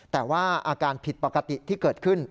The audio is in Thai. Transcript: แต่ว่าอาการผิดปกติที่เกิดขึ้น